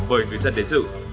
bởi người dân đến sự